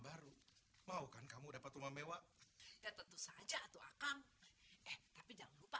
baru mau kan kamu dapat rumah mewah ya tentu saja atau akan eh tapi jangan lupa